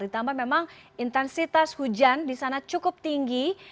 ditambah memang intensitas hujan disana cukup tinggi